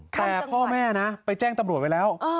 แต่พ่อแม่นะไปแจ้งตำรวจไว้แล้ว